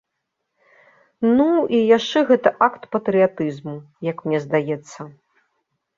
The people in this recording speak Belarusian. Ну, і яшчэ гэта акт патрыятызму, як мне здаецца.